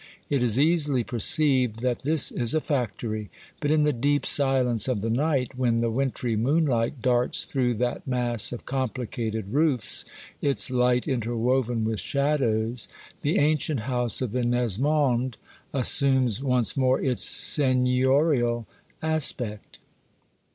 It is easily perceived that this is a factory. But in the deep silence of the night, when the wintry moonlight darts through that mass of complicated roofs, its light interwoven with shadows, the ancient house of the Nesmonds Yule Tide Stories, 253 assumes once more its seigniorial aspect.